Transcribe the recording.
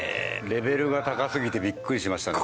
レベルが高すぎてビックリしましたね